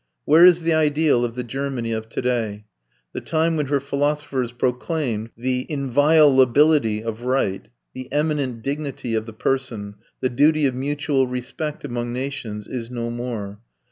Where is the ideal of the Germany of to day? The time when her philosophers proclaimed the inviolability of right, the eminent dignity of the person, the duty of mutual respect among nations, is no more.